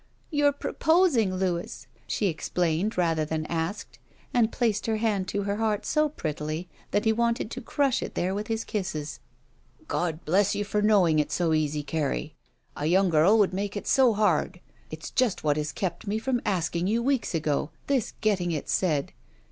"You're proposing, Louis!" She explained rather than asked, and placed her hand to her heart so prettily that he wanted to crush it there with his kisses. "God bless you for knowing it so easy, Carrie. A yotmg girl would make it so hard. It's just what has kept me from asking you weeks ago, this getting it said.